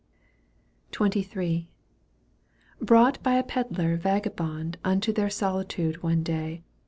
XXIIL : Brought by a pedlar vagabond Unto their solitude one day.